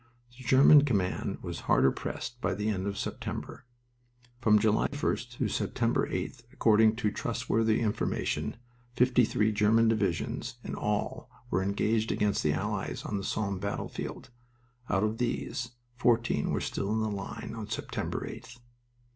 The German command was harder pressed by the end of September. From July 1st to September 8th, according to trustworthy information, fifty three German divisions in all were engaged against the Allies on the Somme battlefront. Out of these fourteen were still in the line on September 8th.